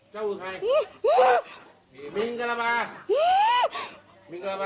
เจ้าคือใครมิงกระบาดมิงกระบาด